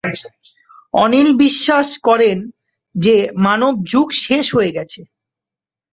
অনিল বিশ্বাস করেন যে মানব যুগ শেষ হয়ে গেছে।